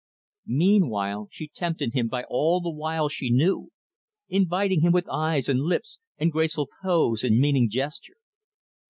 Meanwhile she tempted him by all the wiles she knew inviting him with eyes and lips and graceful pose and meaning gesture.